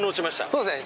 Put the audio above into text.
そうですね。